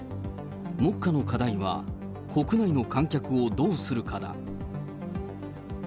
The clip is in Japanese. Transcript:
目下の課題は、国内の観客をどうするかだ。